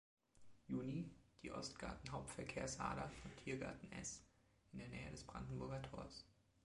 Juni, die Ostgarten-Hauptverkehrsader von Tiergarten S, in der Nähe des Brandenburger Tors.